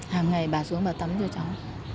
hàng ngày bà xuống bà tắm cho cháu